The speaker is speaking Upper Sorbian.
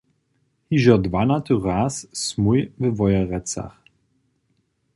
Hižo dwanaty raz smój we Wojerecach.